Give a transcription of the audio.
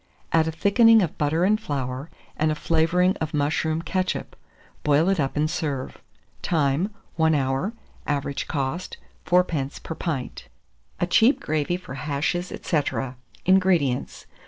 Add a thickening of butter and flour, and a flavouring of mushroom ketchup; boil it up and serve. Time. 1 hour. Average cost, 4d. per pint. A CHEAP GRAVY FOR HASHES, &c. 440. INGREDIENTS.